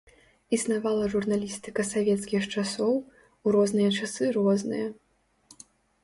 Існавала журналістыка савецкіх часоў, у розныя часы розная.